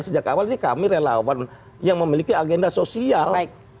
sejak awal ini kami relawan yang memiliki agenda sosial